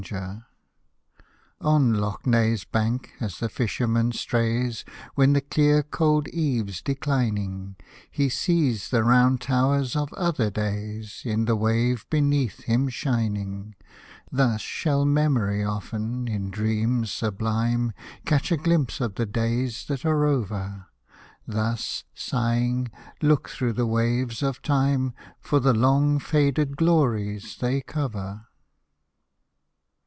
Hosted by Google i6 IRISH MELODIES On Lough Neagh's bank as the fisherman strays, When the clear cold eve's declining, He sees the round towers of other days In the wave beneath him shining ; Thus shall memory often, in dreams sublime, Catch a glimpse of the days that are over ; Thus, sighing, look through the waves of time For the long faded glories they cover.